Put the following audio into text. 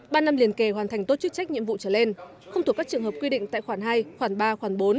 ban năm liền kề hoàn thành tốt chức trách nhiệm vụ trở lên không thuộc các trường hợp quy định tại khoảng hai khoảng ba khoảng bốn